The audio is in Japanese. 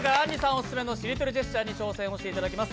オススメのしりとりジェスチャーに挑戦していただきます。